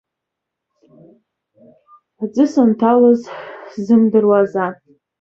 Аӡы санҭалаз сзымдыруазаап.